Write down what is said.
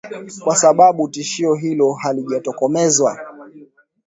Kwa sababu tishio hilo halijatokomezwa.